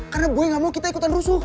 karena boy gak mau kita ikutan rusuh